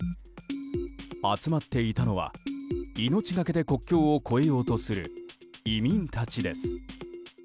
集まっていたのは命がけで国境を越えようとする移民たちです。